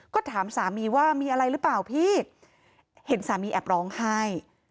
ก็ถามสามีว่ามีอะไรหรือเปล่าพี่เห็นสามีแอบร้องไห้